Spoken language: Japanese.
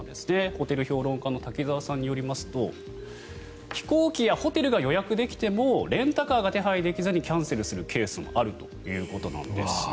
ホテル評論家の瀧澤氏によりますと飛行機やホテルが予約できてもレンタカーが手配できずにキャンセルするケースもあるということです。